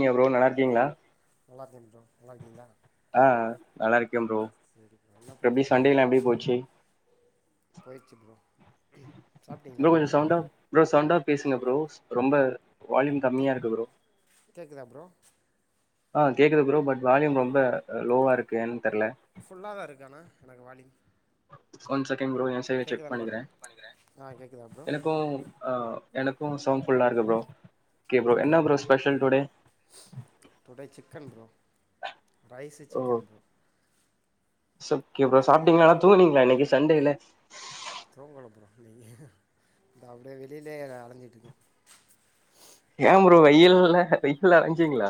ங்க ப்ரோ நல்லா ஆ இருக்கீங்களா நல்லா இருக்கே ப்ரோ நல்லா இருக்கிங்கிளா ஆ நல்லா இருக்கேன் ப்ரோ சரி ப்ரோ என்ன எப்டி சண்டேலா எப்டி போச்சி போயிச்சி ப்ரோ சாப்பிட்டீங்களா இன்னும் கொஞ்சம் சவுண்டா ப்ரோ சவுண்டா பேசுங்க ப்ரோ ரொம்ப வால்யூம் கம்மியா இருக்கு ப்ரோ குதா ப்ரோ ஆ கேக்குது ப்ரோ பட் வால்யூம் ரொம்ப லோவா இருக்கு ஏன்னு தெர்ல ஃபுல்லா தான் இருக்கு ஆனா எனக்கு வாலியூம் கொஞ்ச கேங் ப்ரோ என் சைடு செக் பண்ணிகிறே பாருங்கள் ஆ கேட்குதா ப்ரோ எனக்கும் ஆ எனக்கும் சவுண்ட் ஃபுல்லா இருக்கு ப்ரோ ஓகே ப்ரோ என்ன bro special today today chicken bro rice chicken bro ச ஓகே ப்ரோ சாப்ட்டீங்களானா தூங்கனீங்களா இன்னைக்கு சண்டே இல்ல தூங்கலப ப்ரோ இன்னக்கி இந்த அப்டே வெளியிலே அலஞ்சிட்டு இருக்கே ஏங்க ப்ரோ வெயில்ல அலஞ்சீங்களா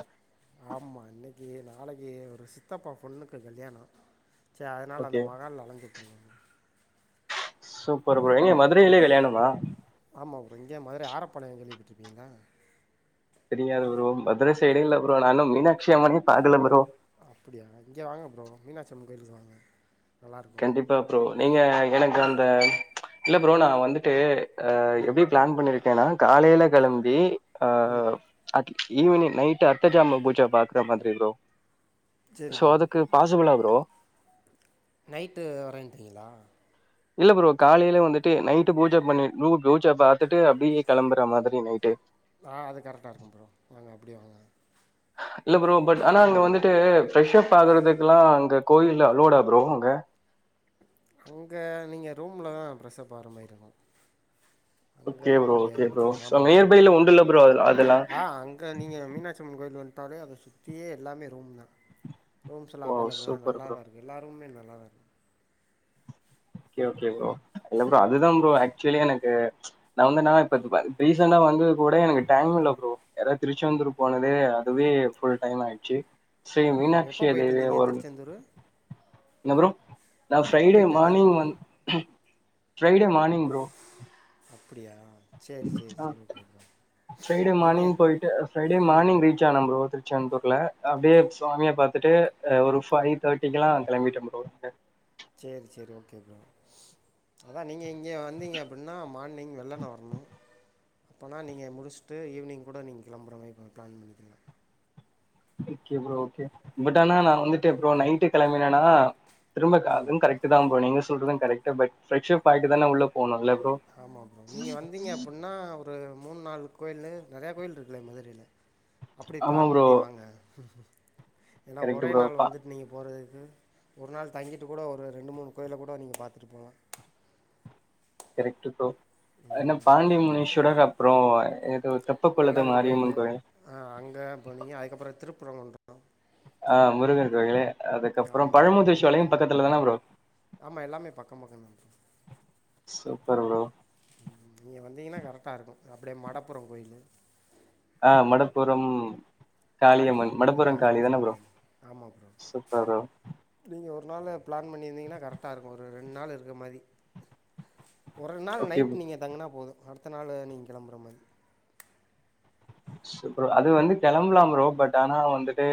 ஆமா இன்னக்கி நா நாளைக்கு ஒரு சித்தப்பா பொண்ணுக்கு கல்யாணம் சரி அதனால ஓகே அந்த மகால்ல அலஞ்சிட்டுருந்தங்க சூப் பர் ப்ரோ எங்க மதுரையிலே கல்யாணமா கிங்ளா தெரியாது புரோ மதுரை சைடுல்ல தெரியாது ப்ரோ மதுரை சைடே இல்ல ப்ரோ நா இன்னும் மீனாட்சியம்மனே பாக்கல ப்ரோ அப்டியா இங்க வாங்க ப்ரோ மீனாட்சி அம்மன் கோயிலுக்கு வாங்க நல்லாயிருக்கும் கண்டிப்பா ப்ரோ எங்க எனக்கு அந்த இல்ல ப்ரோ நா வந்துட்டு ஆ ம் எப்டி பிளான் பண்ணிருக் கேனா காலைலே கிளம்பி ஆ ம் அ ஈவினிங் நைட் அர்த்த ஜாம பூஜா பாக்குற மாரி ப்ரோ சரி சோ ப்ரோ அதுக்கு பாசிபிளா ப்ரோ நைட்டு வரேரிங்களா இல்ல ப்ரோ காலைலே வந்துட்டு நைட்டு பூஜா பண்ணி பூஜா பாத்துட்டு அப்டியே கிளம்புற மாரி நைட்டு ஆ அது கரெக்டா இருக்கும் ப்ரோ வாங்க அப்டியே வாங்க இல்ல ப்ரோ பட் ஆனா அங்க வந்துட்டு பிரரெஷ் அப் ஆகுறதுக்கெல்லாம் அங்க கோயில அலோடா ப்ரோ அங்க அங்க நீங்க ரூம்ல தா பிரஷர் ஆகுற மாரி இருக்கும் அங்க ஓகே பண்ண ப்ரோ முடியாது ஓகே ப்ரோ நெனைக்கிறேன் சோ ஆமா ப்ரோ நியர்பைல உண்டுல்ல ப்ரோ அதெல்லா ஆ அங்க நீங்க மீனாட்சி அம்மன் கோயில வந்து பாரு அத சுத்தியே எல்லாமே ரூம் தா ரூம்ஸ்லாம் ஓ அவைலபிள்தா சூப்பர் நல்லா ப்ரோ தா இருக்கு எல்லா ரூமுமே நல்லா அ ஓகே ஓகே ப்ரோ இல்ல ப்ரோ அது தான் ப்ரோ ஆக்சுலி எனக்கு நா வந்து இப்ப ரீசண்டா வந்தது கூட எனக்கு டைம் இல்ல ப்ரோ யாராவது திருச்செந்தூர் போனது அதுவே ஃபுல் டைம் ஆயிடுச்சு ஸ்ரீ ம் ப்ரோ எப்போ மீனாட்சி போயிட்டு தேவி வந்தீங்க ஒரு திருச்செந்தூர் என்ன ப்ரோ நா எப்போ ஃரைடே போயிட்டு வந்தீங்க மார்னிங் ஃப்ரைடே மார்னிங் ப்ரோ அப்டியா ஆ ஃப்ரைடே மார்னிங் நீங்கள் போயிட்டு ஃப்ரைடே ம் மார்னிங் ரீச் ஆனேன் ப்ரோ தச்செந்தூர்ல அப்டியே சுவாமிய பாத்துட்டு ஒரு ஃபைவ் தேர்ட்டிக்கு எல்லா கிளம்பிட்டே ப்ரோ செரி செரி ஓகே ப்ரோ அதா நீங்க இங்கே வந்தீங்க அப்டின்னா மார்னிங் வெள்ளனையா வரணும் அப்போனா நீங்க முடிச்சுட்டு ஈவினிங் கூட நீங்க கிளம்புற மாரி பிளான் பண்ணிக்கலாம் ஓகே ப்ரோ ஓகே பட் ஆனா நா வந்துட்டு ப்ரோ நைட்டு கிளம்புனேனா திரும்ப ம் அதுவும் கரெக்ட் தா ப்ரோ நீங்க சொல்றது கரெக்ட பட் ஃப்ரஷ்ஷப் ஆயிட்டு தானே உள்ள போணுல்ல ப்ரோ ஆமா ப்ரோ நீங்க வந்தீங்க அப்டின்னா ஒரு மூணு நாலு கோயிலு நெறையா கோயில் இருக்குல்ல மதுரையில அப்படி ஆமா பிளான் ப்ரோ பண்ணி வாங்க ஏன்னா கரெக்ட் ஒரே ப்ரோ நாள் பா வந்துட்டு நீங்க போறது ஒரு நாள் தங்கிட்டு கூட ஒரு ரெண்டு மூணு கோயில கூட நீங்க பாத்துட்டு போலா கரெக்டு ப்ரோ என்ன பாண்டி முனி ஷுடக அப்புறோ என அழகர் கோயிலு அ அங்க போனீங் அதுக்கப்புறோ திருப் ப்புறங்குன்றோ ஆ முருகன் கோயிலு அதுக்கப்புறோ ஆமாம் ப்ரோ பழமுதிர்ச்சி சோலையு பக்கத்துலதானே ப்ரோ பக்கம்பக்கந்தா சூப்பர் ப்ரோ நீங்க வந்தீங்கன்னா கரெக்டா இருக்கு அப்டியே மடப்புரோ கோயில் ஆ மடப்புரம் காளி காளியம்மன் ஆ மடப்புரம் காளி தானே காளியம்மன் ப்ரோ கோயில் ஆமாம் ப்ரோ சூப்பர் ப்ரோ நீங்கள் ஒரு நாள் பிளான் பண்ணியிருந்தீங்கன்னா கரெக்டாக இருக்கு ஒரு ரெண்டு நாள் இருக்கிற மாதிரி ஒரு நாள் ஓகே நைட் ப்ரோ. நீங்க தங்குனா போது அடுத்த நாள் நீங்க கெளம்புற மாரி ஸ் ப்ரோ அது வந்து கிளம்பலா ப்ரோ பட் ஆனா வந்துட்டு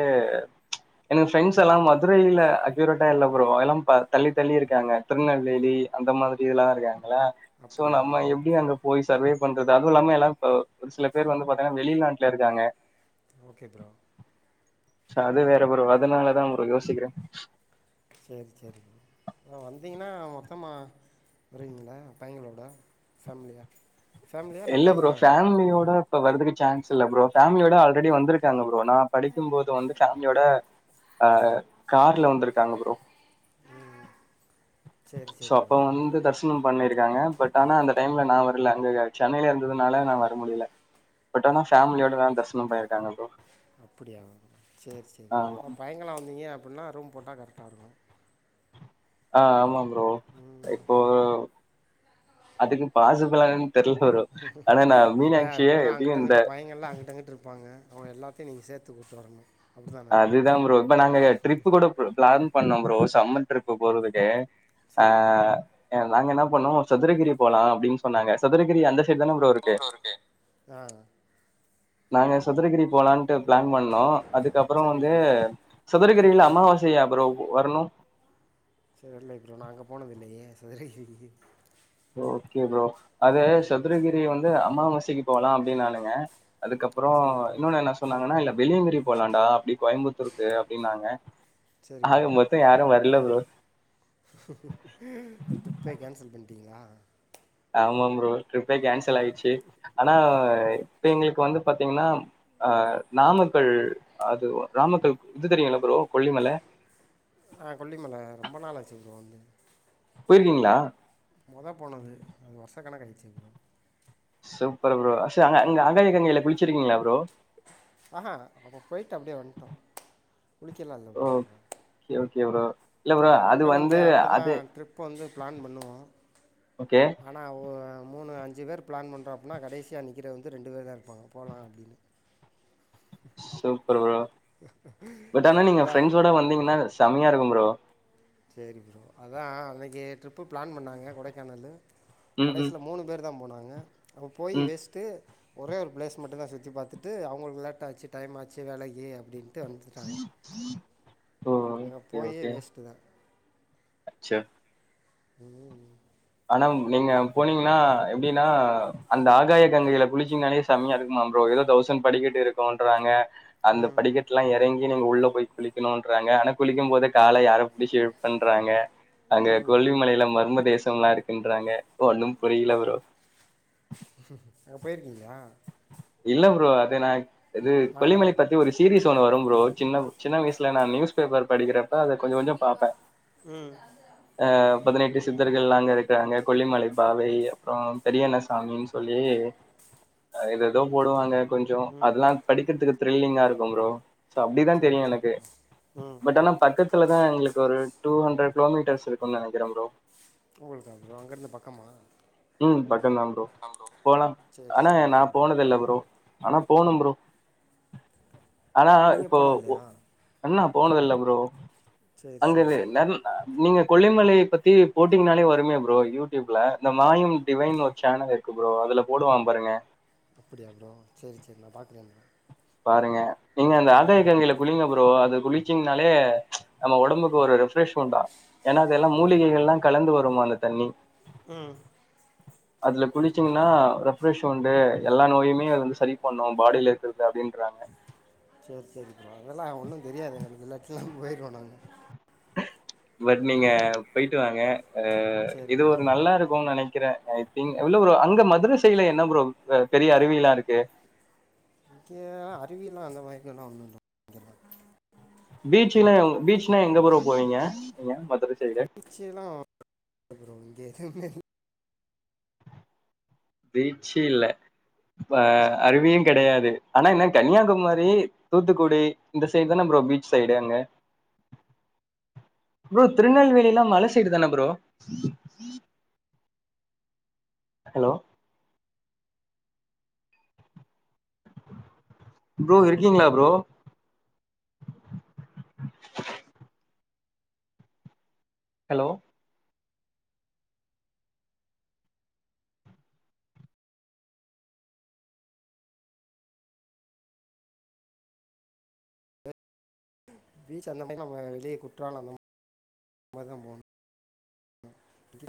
எனக்கு ஃப்ரெண்ட்ஸ் எல்லா மதுரையில அக்யூரேட்டா இல்ல ப்ரோ அதெல்லா தள்ளி தள்ளி இருக்காங்க திருநெல்வேலி அந்த மாதிரி இதெல்லா இருக்காங்க அல சோ அப்படியா நம்ம எப்டி அங்க போய் சர்வே பண்றது அது இல்லாம எல்லா ஒரு சில பேர் வந்து பாத்தீங்கன்னா வெளிநாட்டுல இருக்காங்க ஓகே ப்ரோ சோ அது வேற ப்ரோ அதனாலதா ப்ரோ யோசிக்கிறே சரி சரி வந்தீங்கன்னா மொத்தமா வருவீங்களா பையங்களோட ஃபேமிலியா ஃபேமிலியா இல்லை இல்ல ப்ரோ பையங்களா வரும் ஃபேமிலியோட இப்ப வறதுக்கு சான்ஸ் இல்ல ப்ரோ ஃபேமிலியோட ஆல்ரெடி வந்திருக்காங்க ப்ரோ நா படிக்கும்போது வந்து பேமிலியோட அஹ் கார்ல வந்திருக்காங்க ப்ரோ சரி சோ சரி அப்ப ப்ரோ வந்து தரிசனம் பண்ணிருக் க்கா பட் ஆன அந்த டைம்ல நா வர்ல அங்க சென்னையில இருந்ததுனால நா வர முடியல பட் ஆன ஃபேமலியோடது தசனம் பொயிருக்காங்க ப்ரோ அப்படியா சரி சரி ஆ அப்ப பையங்கலா வந்தீங்க அப்படின்னா ரூம் போட்டா கரெக்டா இருக்கு ஆ ஆமா புரோ ப்ரோ இப்போ அதுக்கு பாசிபிளானு தெர்ல ப்ரோ ஆனா நா அதா மீனாட்சிய பூரா எப்டியு அங்கிட்ட இந்த அங்கட்டு பையங்கள் எல்லா அங்கட்டு அங்கட்டு இருப்பாங்க அவங்க எல்லாத்தையும் நீங்க சேத்து கூட்டு வரணும் அப்படி தானே அது தா ப்ரோ இப்ப நாங்க ட்ரிப் கூட பிளான் பண்ணோம் ப்ரோ அம்மன் ட்ரிப் போறதுக்கு ஆ சரி ப்ரோ என் நாங்க என்ன பண்ணோம் சதுரகிரி போலா அப்டின்னு சொன்னாங்க சதுரகிரி அந்த சைடு தானே ப்ரோ [unintelligible] இருக்கு ஆ நாங்க சதுரகிரி போலான் பிளான் பண்ணோம் அதுக்கப்றோ சரி வந்து ப்ரோ சதுரகிரில அமாவாசைய ப்ரோ வரணும் செரி வர்ல ப்ரோ நா அங்க போனது இல்லயே சதுரகிரி ஓகே ப்ரோ அது சதுரகிரி வந்து அம்மாவச போலா அப்டி நானுங்க அதுக்கறோ சரி ப்ரோ இன்னொன்னு என்ன ம் சொன்னாங்கன்னா இல்ல வெளியங்கிரி போகலாம்னு ஆ அப்டி கோயம்புத்தூருக்கு அப்டின்னாங்க சரி ஆக மொத்தம் யாரும் வர்ல ப்ரோ டிரிப்பே கேன்சல் பண்ணிட்டீங்களா ஆமாம் ப்ரோ டரிப்பே கேன்சல் ஆயிடுச்சு ஆனா இப்ப எங்களுக்கு இப்ப வந்து பாத்தீங்கன்னா அ நாமக்கல் அது நமக்கல் இது தெரியும்யில்ல ப்ரோ கொல்லிமலை ஆ கொல்லிமலை ரொம்ப நாளாச்சு ப்ரோ வந்து போயிருக்கீங்களா மொத போனது அது வருஷ கணக்காயிருச்சு ப்ரோ சூப்பர் ப்ரோ சரி அங்க அங்க அங்காய கங்கையில குளிச்சிருக்கீங்களா ப்ரோ? ஆஹா அப்ப போயிட்டு அப்டியே வந்துட்டோம் குளிக்க எல்லா இல்ல ப்ரோ ஓகே, ஓகே ப்ரோ. இல்ல ப்ரோ அது நாங்களும் வந்து இங்கே அது அப்டிதான் ட்ரிப் வந்து பிளான் பண்ணுவோம் ஓகே. ஆனா ஒ மூணு அஞ்சு பேர் பிளான் பண்ணுறோம் அப்டின்னா கடைசியா நிக்கிறது வந்து ரெண்டு பேர் தான் இருப்பாங்க போலா அப்டின்னு சோ சூப்பர் ப்ரோ பட் ஆனா நீங்க அப்படிதான் ஃப்ரெண்ட்ஸ் ஓட வந்தீங்கன்னா செமையா இருக்கும் ப்ரோ சரி ப்ரோ அதா அன்னைக்கு ட்ரிப்பு பிளான் பண்ணாங்க கொடைக்கானலு ம், ம், கடைசியல மூணு பேரு தா போனாங்க அங்க அப்ப போய் ம். வேஸ்ட்டு ஒரே ஒரு பிளேஸ் மட்டும்தா சுத்தி பார்த்துட்டு அவங்களுக்கு லேட்டா ஆச்சு டைம் ஆச்சு வேலைக்கு அப்படின்னு ம் போயே வேஸ்ட்டு தா ச்ச ம் ஆனா நீங்க போனீங்கன்னா எப்படின்னா அந்த ஆகாய கங்கையில குளிச்சிங்கனாலே செமையா இருக்குமா ப்ரோ ஏதோ தௌசண்ட் படிக்கிட்டு இருக்கோன்றாங்க அந்த ம் படிக்கட்டுல்லா எறங்கி நீங்க உள்ள போய் குளிக்கணும்ன்றாங்க ஆனா குளிக்கு போது கால யாரப்படி ஷேவ் பண்றாங்க அங்க ம் கொல்வி மலையில மரும தேச நல்லா இருக்குன்றாங்க ஒன்னு புரில ப்ரோ அங்க போயிருக்கீங்களா இல்ல ப்ரோ அதே நா இது நான் கொல்லிமலை நடந்து பத்தி ஒரு சீரீஸ் ஒண்ணு வரு ஒரு சின்ன சின்ன வயசுல நா நியூஸ் பேப்பர் படிக்கிறப்ப அத கொஞ்சம் கொஞ்சம் பாப்பேன் ம் அ பதினெட்டு சித்தர்கள் அங்க இருக்கிறாங்க கொல்லிமலை பாவை அப்புறோ பெரியண்ணசாமனு சொல்லி அ இது எதோ போடுவாங்க கொஞ்சம் ம் அதெல்லா படிக்கிறதுக்கு த்ரில்லிங்கா இருக்கும் ப்ரோ சோ அப்படிதா சரி தெரியு சரி எனக்கு ப்ரோ ம் பட் ஆனா பக்கத்துல தா எங்களுக்கு ஒரு டூ ஹண்ட்ரட் கிலோமீட்டர்ஸ் இருக்குன்னு நெனைக்கிற ப்ரோ உங்களுக்கு அம் அங்க இருந்து பக்கமா ம் பக்கம்தா ப்ரோ போலா சேரி ஆனா சேரி நா ஓகே ப்ரோ போனதில்ல ப்ரோ ஆனா போனு ப்ரோ ஆனா நீங்கள் இப்போ போனது ஒ இல்லையா பண்ணாம் போனதில்ல ப்ரோ சேரி சேரி ப்ரோ அங்கிருந் நன் நீங்க கொல்லிமலை பத்தி போட்டீங்கனாலே வருமே ப்ரோ யூடியூப்ல நம் மாயும் டிவைன்ன ஒரு சேனல் இருக்கு ப்ரோ அதுல போடுவா பாருங்க அப்படி அப்றோ சரி சரி நா பாக்குறே பாருங்க நீங்க அந்த ஆகாயகங்கைய்ல குளிங்க ப்ரோ அது குளி குளிச்சிங்னாலே நம்ம ஒடம்புக்கு ஒரு ரெஃபிஷ் உண்டா ஏன்னா அதெல்லா அப்படியா மூலிகைங்க எல்லா கலந்து வருமா அந்து தண்ணி ம் அதுல குளிச்சீங்கன்னா ரெஃப்ரெஷ் உண்டு எல்லா நோயுமே வந்து சரி பண்ணோ பாடியில இருக்கிறது அப்டின்றாங்க சரி சரிப்பா அதெல்லா ஒன்னு தெரியாது அந்த எத்துல போய்யிருக்க பட் நீங்க போயிட்டு ட்டுவாங்க அ சேரி இது ப்ரோ ஒரு நல்லா இருக்கோ நெனைக் ற எனக்தி இல்ல ஃபுரோ அங்க மதுர சைட்ல என்ன ப்ரோ பெரிய அருவிளா இருக்கு இங்க அறிவிலா அந்த மாரிலா ஒண்ணு இல்ல பீச்சங்னா பீச்ன்னா எங்க ஃபுரோ போவீங்க நீங்க மதுரை சைடு பீச்சுலா இங்க ப்ரோ எதுவுமே இல்ல பீச்சு இல்ல அ ப அருவியு கிடையாது ஆனா என்ன கன்னியாகுமரி தூத்துக்குடி இந்த சைடு தானே ப்ரோ பீச் சைடு அங்க ப்ரோ திருநெல்வேலி எல்லா மல சைடு தானே ப்ரோ ஹலோ ப்ரோ இருக்கீங்களா ப்ரோ ஹலோ இல்ல பீச் அந்த மாரிலா நம்ம வெளியே குற்றால அந்தத மாரி தா ப்ரோ